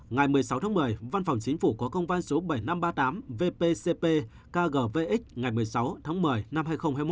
ngày một mươi sáu một mươi văn phòng chính phủ có công văn số bảy nghìn năm trăm ba mươi tám vpcp kgvx ngày một mươi sáu một mươi hai nghìn hai mươi một